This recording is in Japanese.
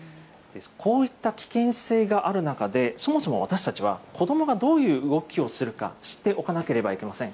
こういった危険性がある中で、そもそも私たちは子どもがどういう動きをするか、知っておかなければいけません。